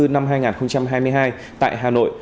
năm hai nghìn hai mươi hai tại hà nội